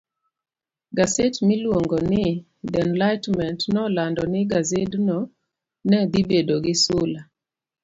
gaset miluongo ni The Enlightenment nolando ni gasedno ne dhi bedo gi sula